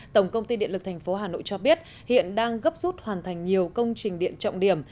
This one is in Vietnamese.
tổng công ty điện lực tp hà nội cho biết hiện đang gấp rút hoàn thành nhiều công trình điện trọng điểm